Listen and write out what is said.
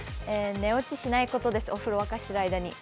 寝落ちしないことです、お風呂沸かしてる間に。